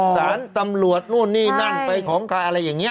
สารตำรวจนู่นนี่นั่นไปของใครอะไรอย่างนี้